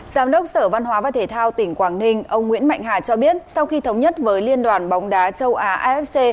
giám đốc sở văn hóa và thể thao tỉnh quảng ninh ông nguyễn mạnh hà cho biết sau khi thống nhất với liên đoàn bóng đá châu á afc